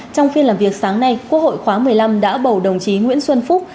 trong phiên làm việc sáng nay quốc hội khóa một mươi năm đã bầu đồng chí nguyễn xuân phúc